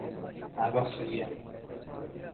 Água Fria